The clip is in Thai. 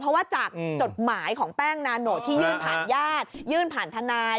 เพราะว่าจากจดหมายของแป้งนาโนที่ยื่นผ่านญาติยื่นผ่านทนาย